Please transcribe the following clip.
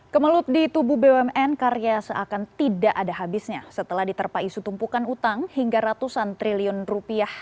kemelut di tubuh bumn karya seakan tidak ada habisnya setelah diterpa isu tumpukan utang hingga ratusan triliun rupiah